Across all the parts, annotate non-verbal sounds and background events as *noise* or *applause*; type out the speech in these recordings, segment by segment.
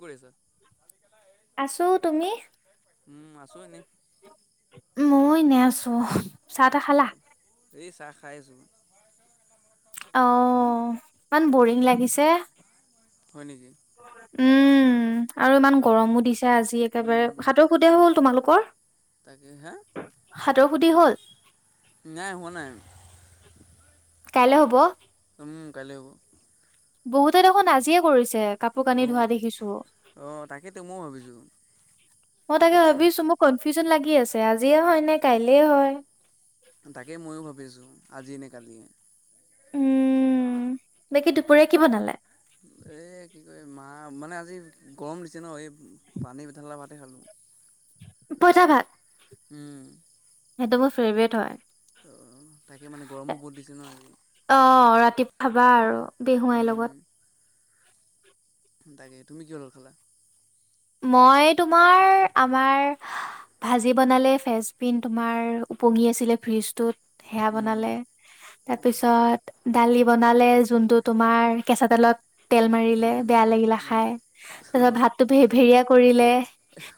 পৰিছা। আছো তুমি? উম, আছোঁ এনেই। মই নে ছহ চাহ তা খালা? খাইজো। অ ইমান বৰিং লাগিছে। হয় নেকি? উম আৰু ইমান গৰমো দিছে আজি একেবাৰে উম, সাত সুধে হ'ল তোমালোকৰ? তাকে হে? সাতৰ সুধি হ'ল নাই হোৱা নাই। কাইলে হ'ব। উম, কাইলৈ হ'ব। বহুতে দেখোন আজিয়ে কৰিছে। কাপোৰ কানি অঁ ধোৱা দেখিছো। অঁ তাকেতো ময় ভাবিছোঁ। মই তাকে এতিয়া ভাবিছো মোক কনফিউজন লাগি আছে আজিয়ে হয় নে কাইলে হয়। তাকে মইও ভাবি আছো আজি নে কালিয়ে। উম, বাকী দুপৰীয়া কি বনালে? এ, কি ক মা মানে আ- আজি গৰম দিছে ন' এই পানীঠালা ভাতে খালোঁ। পইতা ভাত। উম, সেইটো মোৰ ফেভৰেট হয়। অহ, তাকে মানে গৰমো বহুত দিছে নহ অ' খাবা আৰু বেহুৱাইৰ লগত তাকে তুমি কিহৰ লগত খালা? মই তোমাৰ, আমাৰ ভাজি বনালে ফেচবিন তোমাৰ পঙি আছিলে ফ্ৰিজটোত সেয়া উম, বনালে। তাৰপিছত দালি বনালে যোনটো তোমাৰ কেঁচা তেলত তেল মাৰিলে উম, বেয়া লাগিলে উম, খাই তাৰপিছত ভাততো ভেৰ-ভেৰিয়া কৰিলে।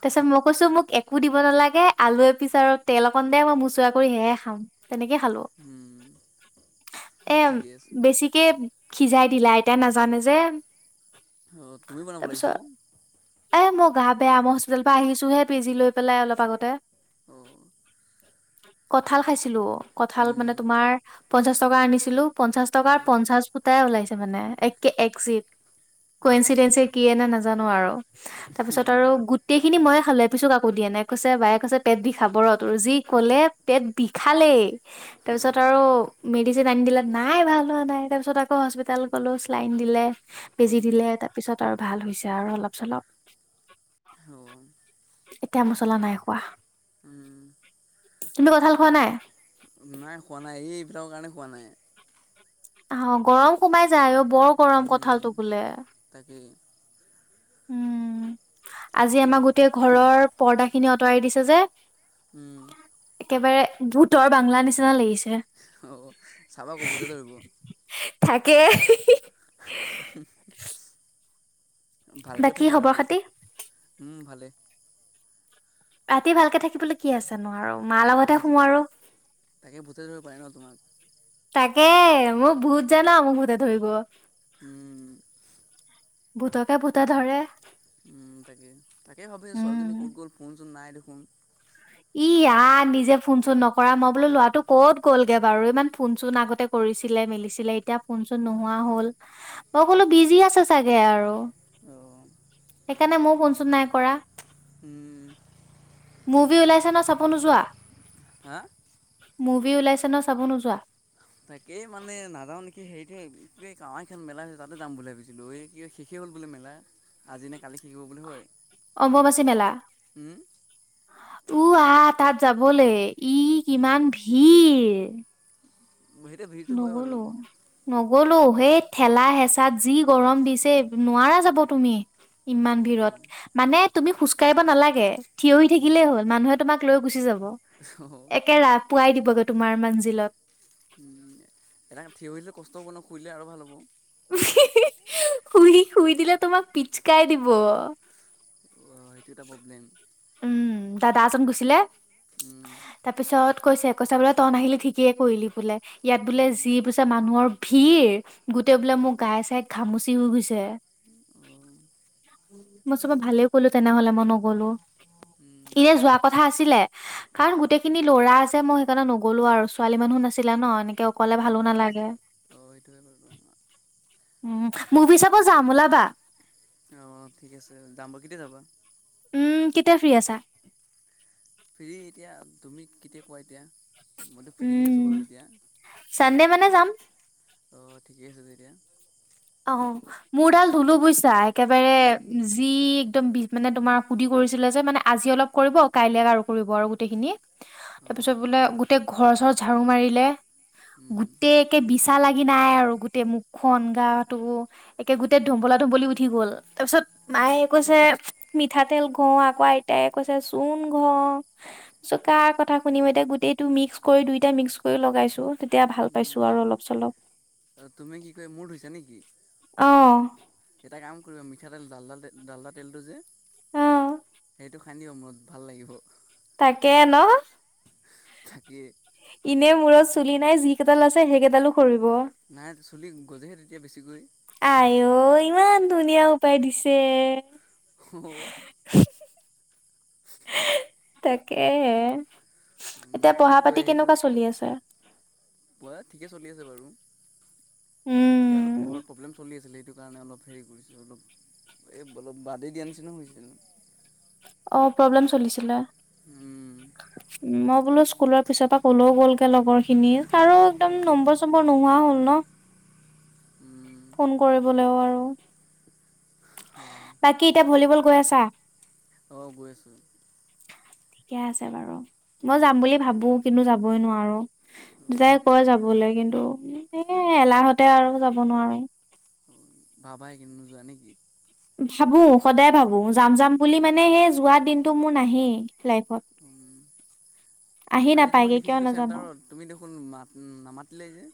তাৰপিছত মই কৈছো মোক এ- একো দিব নালাগে আলু এ পিছ আৰু তেল অকণ দে মই মোচুৰা কৰি সেহে খাম। তেনেকে খালো। উম, এ ঠিকে আছে। বেছিকে সিজাই দিলা আইতায় নাজানে যে অ, তুমি বনাব তাৰপিছত লাগিছিল। এ মই গা বেয়া মই হস্পিটেলৰ পৰা আহিছোহে বেজি লৈ- পেলাই অলপ আগতে, অ'। কঁঠাল খাইছিলো। কঁঠাল মানে তোমাৰ পঞ্চাশ টকা আনিছিলো। পঞ্চাশ টকাৰ পঞ্চাশ ফুটাই ওলাই- মানে একে এক এক জেক *unintelligible* নাজানো আৰু তাৰ পিছত আৰু গোটেই খিনি ময়ে খালে এপিছো কাকো দিয়া নাই কৈছে বায়ে কৈছে পেট বিষাব ৰ' তোৰ। যি কলে পেট বিষালেই, তাৰপিছত আৰু মেডিচিন আনি দিলে নাই ভাল হোৱা নাই তাৰপিছত আকৌ হস্পিতেলত গ'লোঁ ছেলাইন দিলে বেজি দিলে তাৰপিছত আৰু ভাল হৈছে আৰু অলপ-চলপ। এতিয়া মছলা নাই খোৱা। উম। তুমি কঁঠাল খোৱা নাই? পোৱা নাই। আহ গৰম সোমাই যায় অ' বৰ গৰম উম, কঁঠালটো বোলে। তাকেই উম, আজি তাকেই আমা গোটেই ঘৰৰ পৰ্দা খিনি আঁতৰাই দিছে যে উম একেবাৰে ভূতৰ বাংলা নিচিনা লাগিছে। অ' চাবা আক' ভূতে ধৰিব থাকে *unintelligible* ভালকৈ বাকী থাকিবা খবৰ ৰাতি। খাতি উম ভালেই। ৰাতি ভালকে থাকিবলৈ কে আছে নো আৰু। মাৰ লগতহে ভূতে, শুও আৰু। তাকে ভূতে ধৰিব পাৰে ন' তোমাক। তাকে মোক ভূত জানা মোক ভূতে ধৰিব। উম! ভুতকে, ভূতে ধৰে। উম তাকে তাকে ভাবিছো উম। ছোৱালীজনী ক'ত গ'ল ফোন চোন নাই দেখোন। ই আ নিজে ফোন চোন নকৰা মই বোলো লৰাটো কত গ'লগে বাৰু ইমান ফোন চোন আগতে কৰি কৰিছিলে মেলিছিলে এতিয়া। ফোনচোন নোহোৱা হল মই ক'লো তাকে বিজি আছে চাগে আৰু অঁ সেইকাৰণে ময়ো ফোন চোট নাই কৰা উম। না চাব নোযোৱা হা মুভি ওলাইছে ন চাব নোযোৱা তাকেই মানে নাযাও নেকি হেইৰিটোে এই এই কাৱ এ খেল মেলা হৈছে তাতে যাম বুলি ভাবিছিলো এই কি শেষেই হ'ল বোলে মেলা আজি নে কালি শিকিব বুলি হয় অম্বুবাচী মেলা উম উ আহ তাত যাবলৈ ই উম কিমান ভিৰ সেইটোৱে ভিৰটো হয় বাৰু নগলো নগ গলো সেই ঠেলা হেঁচাত যি গৰম দিছে নোৱাৰা যাব তুমি ইমান ভিৰত অঁ মানে তুমি খোজকাঢ়িব নালাগে। থিয় হৈ উম থাকিলেই হ'ল মানুহে তোমাক লৈ গুচি যাব অঁ একে ৰাপ পোৱাই দিবগে তোমাৰ মান জিলত এটা থিয় হলে কষ্ট হ' নখুৰিলে আৰু ভাল হ'ব শুই শুই দিলে তোমাক পিচকাই দিব অ' সেইটো এটা প্ৰব্লেম উম দাদা এজন গৈছিলে উম তাৰপিছত। কৈছে কৈছা বোলে তই নাহিলি ঠিকেইে কৰিলি বোলে ইয়াত বোলে উম যি বুইছে মানুহৰ ভিৰ গোটেই বোলে অঁ মোৰ গাই চাই ঘামুচি হৈ গৈছে অঁ মই চবে ভালেই কলো তেনেহলে মই নগলো। এ উম যে যোৱা কথা আছিলে কাৰণ গোটেই খিনি ল'ৰা আছে মই সেইকাৰণে নগলো আৰু ছোৱালী মানুহো নাছিলে ন এনেকে ক কলে ভালো উম নালাগে অঁ সেইটোৱে বাৰু উ মভি চাব যাম ওলাবা। অ' ঠিক আছে যাম বা কেতিয়া যাবা উম কেতিয়া ফ্ৰী আছা ফ্ৰী এতিয়া তুমি কেতিয়া কোৱা এতিয়া মইতো ফ্ৰীয়ে আছোঁ উম বাৰু এতিয়া চানডে মানে যাম। অ' ঠিকে আছে তেতিয়া অ' মোৰডাল ধনু বুইছা একেবাৰে উম, যি একদম মানে তোমাৰ সুধি কৰিছিলে যে মানে আজি অলপ কৰিব কাইলে আৰু কৰিব আৰু গোটেইখিনি। অ', তাৰপিছত বোলে গোটেই ঘৰ চৰ ঝাাৰু মাৰিলে উম, গোটকে বিচ ইচছা লাগি নাই আৰু গোটেই মুখখন গাটো একে গোটেই উম, ধুম্বলা ধুম্বলি উঠি গ'ল। তাৰ পিছত মায়ে কৈছে মিঠাতেল ঘহ আকৌ আইতায় কৈছে চূণ ঘহ চ কাৰ কথা শুনি মই এতিয়া গোটেইটো মিক্স কৰি দুইটা মিক্স কৰি লগাইছো তেতিয়া ভাল পাইছো উম। আৰু অলপ। অলপ চলপ অ' তুমি কি কয় মূোৰ ধইছা নেকি অ ' *inaudible* *inaudible* মূৰত অ ভাল লাগিব তাকে ন' থাকি এনে মূৰত চুলি নাই যি কেইডাল আছে সেই কেইডালো নাই চুলি গজেহে তেতিয়া বেছিকৈ এ অ ইমান ধুনীয়া উপায় দিছে। হ, তাকে এতিয়া নাকো পঢ়া কি পাতি কয় সেইটো কেনেকুৱা চলি আছে পোৱা *unintelligible* সেইটো উম। কাৰণে অলপ হেৰি কৰিছোঁ অলপ এই অলপ বাদেই দিয়া নিচিনা হৈছে অ প্ৰব্লেম চলিছিলা উম, মই বোলো স্কুলৰ পিছৰ পৰা ক'লেও গ'লগে লগৰ খিনি আৰু একদম অ', নম্বৰ চম্বৰ নোহোৱা হ'ল ন উম, ফোন কৰিবলৈও আৰু অ', বাকী এতিয়া ভলীবল গৈ আছা অঁ গৈ আছোঁ ঠিকে আছে বাৰু মই উম, যাম বুলি ভাবো কিন্তু যাবই নোৱাৰো অ', ভাব দুটাই কয় যাবলৈ কিন্তু এ এলাহতে আৰু যাব নোৱাৰো ভাবাই একিন নোযোৱা নেকি ভাবো সদায় ভাবো যাম যাম বুলি মানে সেই যোৱা দিনতটো মোৰ নাহেই উম। *unintelligible* আহি কালি তোমাক নাপায়গে কিয় দেখিছিলোঁ নাজানো। চেণ্টাৰত তুমি দেখোন মাত নামাতিলেই যে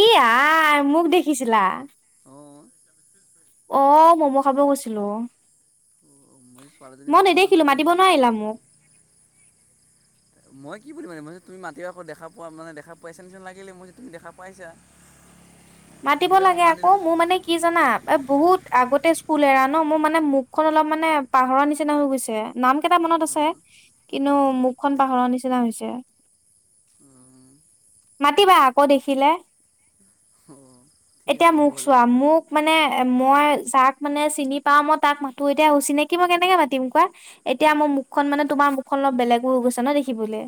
ই আই মোক দেখিছিলা অঁ অ মম' খাব গৈছিলো মই ছোৱালীজনী বা মই ইমান নেদেখিলোঁ লেবেল মাতিব নে নোৱাৰিলা মোক মই কি বুলিম মানে মই তুমি মাতি আকৌ দেখা পোৱা মানে দেখা পাইছা নিচিনা লাগিলে মই যে তুমি দেখা পাইছা মাতিব সেইকাৰণে মই লাগে মাত আকৌ দিলোঁ মোৰ ভাবিছোঁ মানে কি জানা এ বহুত আগতে কুলেৰা ন মোৰ মানে মুখখন অলপ মানে পাহৰ নিচিনা হৈ গৈছে নাম কেইটা মনত আছে কিন্তু মুখখন পাহৰ নিচিনা হৈছে মাতিবা আকৌ দেখিলে অঁ অঁ ঠিক এতিয়া আছে হ'ব মোক বাৰু চোৱা মোক মানে এ মই যাক মানে চিনি পাও মই তাক মাতো এতিয়া অচিনাকি মই কেনেকে মাতিম কোৱা এতিয়া ম মুখখন মানে তোমাৰ মুখখন অলপ বেলেগো হৈ গৈছে ন দেখিবলৈ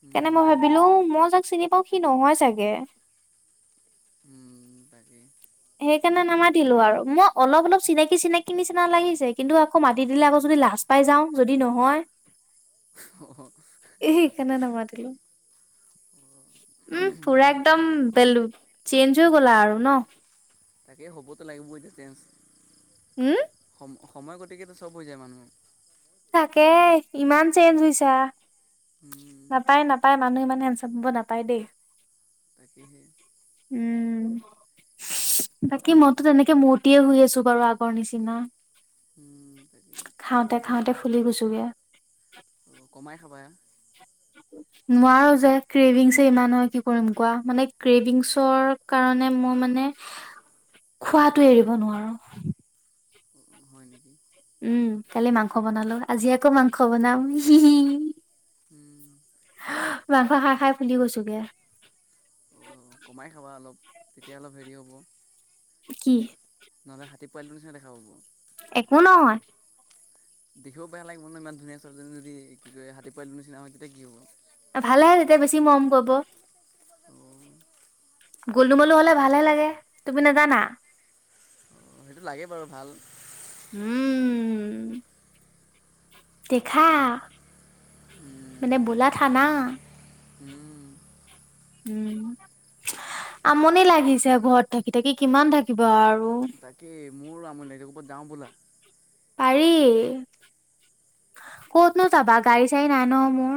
সেইকাৰণে মই সেইটো হয় ভাবিলো মই যাক চিনি পাও সি নহয় চাগে তাকেই *unintelligible* সেইকাৰণে নামাতিলো আৰু মই অলপ অলপ চিনাকি চিনাকি নিচিনা লাগিছে কিন্তু আকৌ মাতি দিলে আকৌ যদি লাাজ পাই যাওঁ যদি নহয় এ কনে না মাতিলে উম পুৰা মই একদম বেলু চেঞ্জ হৈ গ'লা আৰু ন তাকেই হ'বতো লাগিবই এ যে চেঞ্জ উম সম সময় গতিকেতো সব হৈ যায় মানুহে তাকে ইমান চেঞ্জছা নাপায় নাপায় তাই মানুহ ইমান হেন চিব নাপায় দেই উহু উম বাকী মইতো তেনেকে মূৰ্তয়ে শুই আছো বাৰু আগৰ নিচিনা তাকেই খাওঁতে খাওঁতে ফুলি গৈছোগে অঁ কমাই খাবা উ নোৱাৰো যে ক্ৰেভিংছে ইমান হয় কি কৰিম কোৱা মানে ক্ৰেভিংছৰ কাৰণে মই মানে খোৱাাতটো এৰিব নোৱাৰো হয় উম কালি মাংস বনালো আজি আকৌ মাংস বনাম সি নেকি মাংস খাই খাই ফুলি গৈছোগে কমাই খাবা অলপ তেতিয়া অলপ হেৰি হ'ব কি নহ'লে হাতী পোৱালটো নিচিনা দেখা পাব। একো নহয়। দেখিব বেয়া লাগিব ন ইমান ধুনীয়া ছোৱালীজনী যদি কি কৰে হাতী পোৱালোটো নিচিনা হয়। তেতিয়া কি হ'ব? ভালহে তেতিয়া বেছি মৰম কৰিব। অ'। গোলো -মোলো হ'লে ভালহে লাগে তুমি নাজানা? অ', সেইটো লাগে বাৰু ভাল। উ'ম। দেখা, মানে বোলা থানা। উ'ম। উ'ম, আমনি লাগিছে। ঘৰত থাকি, থাকি কিমান থাকিবা আৰু তাকে মোৰ আমনি লাগিছে ক'ৰবাত যাওঁ বলা। পাৰি। ক'তনো যাবা গাড়ী, চাড়ী নাই নহয়, মোৰ।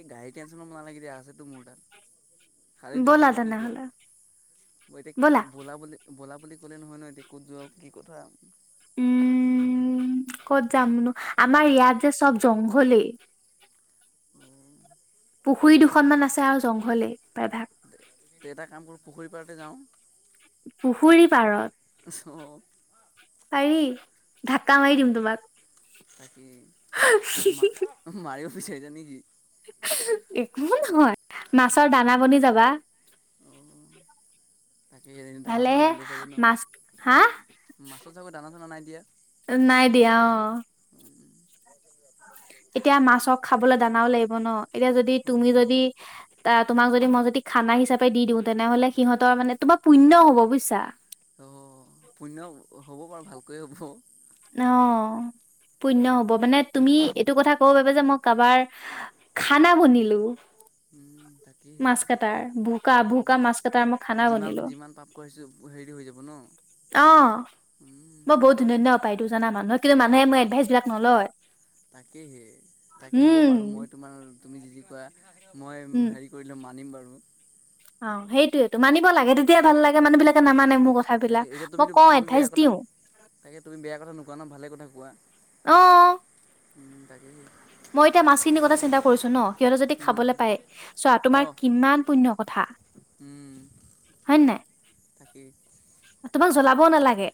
এই গাড়ীৰ টেনচন নালাগে দিয়া, আছেতো মোৰ তাত। খালীটো ব'লা তুমি কি কোৱা? তেনেহলে মই এতিয়া বলা বুলি ব'লা বুলি ক'লে নহয়, নহয়। এতিয়া ক'ত যোৱা কি কথা? উ'ম। উ'ম ক'ত যামনো। আমাৰ ইয়াত যে চব জংঘলে। পুখুৰী দুখনমান আছে আৰু জংঘলেই প্ৰায়ভাগ। এটা কাম কৰোঁ পুখুৰী পাৰতে যাওঁ। পুখুৰী চ' পাৰত। পাৰি ঢাক্কা মাৰি দিম তোমাক। তাকে মাৰিব বিচাৰিছা নেকি? একো নহয়, মাছৰ দানা বনি যাবা। অ' *unintelligible* তাকে সেই দানা চানা ভালেহে নাই দিয়া চাগৈ ন। মাছ হা মাছত চাগৈ দানা চানা নাই দিয়া। নাই দিয়া অ'। এতিয়া মাছক খাবলৈ দানাওঁ লাগিব ন, এতিয়া যদি তুমি যদি ত! তোমাক যদি মই যদি খানা হিচাপে দি দিওঁ। তেনেহলে সিহঁতৰ মানে তোমাৰ পুণ্য হ'ব বুজিছা। ক'লেহে হ'ব। অ'হ। পুণ্য হব, মানে তুমি এইটো কথা ক'ব পাৰিবা যে মই কাৰবাৰ খানা বনিলো। উ'ম। মাছ কটাৰ ভোকা ভোকা মাছ কটাৰ মই খানা যিমান, বনিলো যিমান পাপ কৰাইছো। হেৰি হৈ যাব ন। অ', মই বহুত ধুনীয়া, ধুনীয়া উপাই দিওঁতো জানা। মানুহক কিন্তু মানুহে মোৰ এডভাইচ বিলাক নলয়। তাকেহে তাকে হ'ব উম বাৰু মই তোমাৰ, তুমি যি, যি কোৱা। মই উম হেৰি কৰিলো মানিম বাৰু। অ, সেইটোয়েটো মানিব লাগে তেতিয়া ভাল লাগে মানুহ বিলাকে নামানে মোক কথাবিলাক তাকে এতিয়া মই তুমিতো কওঁ তুমি এডভাইচ বেয়া কথা দিওঁ। তাকে তুমি বেয়া কথা নোকোৱা ন ভালে কথা কোৱা। অ উ'ম, তাকেই। মই এতিয়া মাছখিনিৰ কথা চিন্তা কৰিছো ন। সিহঁতে যদি খাবলৈ পাই চোৱা তোমাৰ কিমান পুণ্য কথা। উ'ম। হয় নে নাই? তাকেই। তোমাক জ্বলাবও নালাগে।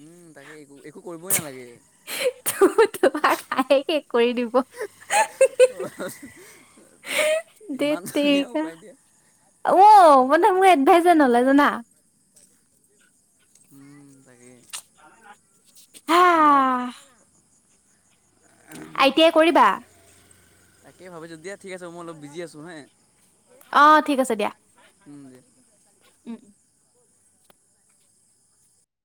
উ'ম, তাকেই একো, একো কৰিবই নালাগে। তোমাৰ খাইয়ে শেষ কৰি দিব। ধেৎ ইমান ধুনীয়া তেৰিকা উপায় দিয়া। অ', মানে মোৰ এডভাইচে নলয় জানা। উম, তাকে হা তোমাৰ আই টি আই কৰিবা তাকে ভাবিছোঁ দিয়া ঠিক আছে মই অলপ বিজি আছো হে। আহ ঠিক আছে দিয়া দিয়া উম